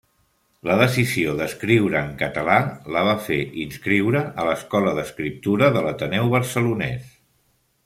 La decisió d'escriure en català la va fer inscriure a l'Escola d'Escriptura de l'Ateneu Barcelonès.